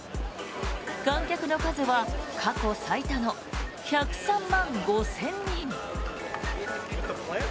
観客の数は過去最多の１０３万５０００人。